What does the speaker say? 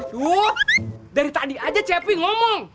tuh dari tadi aja cepi ngomong